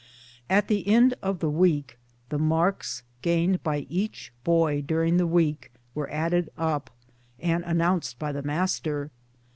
At the end of the week the marks gained by each boy during the week were added up and announced by the master.